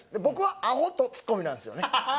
僕はアホとツッコミなんですよね。